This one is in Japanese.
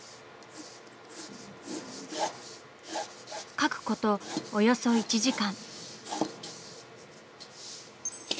描くことおよそ１時間。